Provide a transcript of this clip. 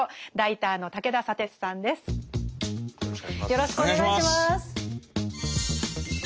よろしくお願いします。